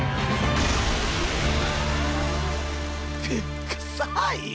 くくさい。